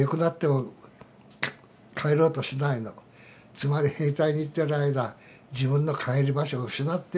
つまり兵隊に行ってる間自分の帰る場所を失ってるんですよ。